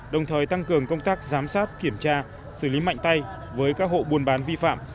đồng thời tăng cường công tác giám sát kiểm tra xử lý mạnh tay với các hộ buôn bán vi phạm